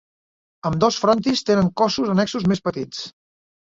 Ambdós frontis tenen cossos annexos més petits.